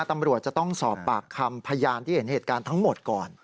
ตำรวจจะต้องสอบปากคำพยานที่เห็นเหตุการณ์ทั้งหมดก่อน